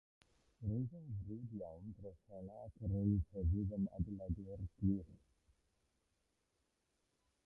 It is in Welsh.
Roedd yn frwd iawn dros hela ac roedd hefyd yn adeiladwr gwych.